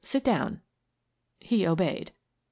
Sit down." He obeyed.